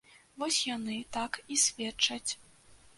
Вось яны так і сведчаць.